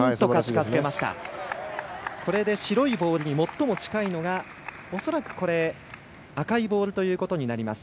白いボールに最も近いのが赤いボールということになります。